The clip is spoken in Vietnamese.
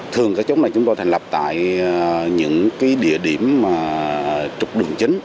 thường các chốt này chúng tôi thành lập tại những cái địa điểm mà trục đường chính